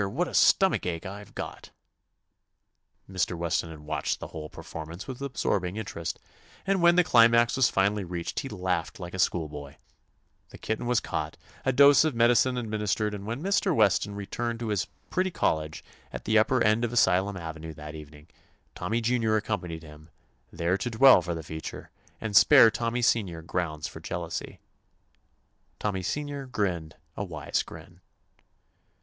What a stomach ache I 've got I" Mr. Weston had watched the whole performance with absorbing interest, and when the climax was finally reached he laughed like a schoolboy. The kitten was caught, a dose of medicine administered, and when Mr. Weston returned to his pretty cottage at the upper end of 192 TOMMY POSTOFFICE Asylum Avenue that evening, Tom my Junior accompanied him, there to dwell for the future, and spare Tom Mr. Weston had watched the whole performance with absorbing interest. my Senior grounds for jealousy. Tommy Senior grinned a wise grin.